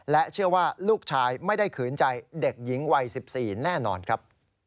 เชื่อว่าลูกชายไม่ได้ขืนใจเด็กหญิงวัย๑๔แน่นอนครับ